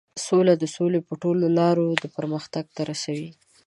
سوله د سولې په ټولو لارو د پرمختګ ته رسوي.